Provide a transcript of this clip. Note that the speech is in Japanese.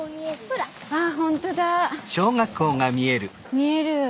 見える。